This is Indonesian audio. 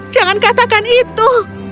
jangan katakan itu